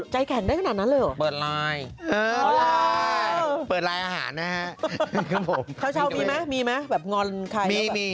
เฉามีมั้ยงอนขาย